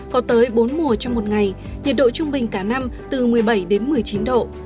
có tới bốn mùa trong một ngày nhiệt độ trung bình cả năm từ một mươi bảy đến một mươi chín độ